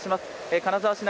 金沢市内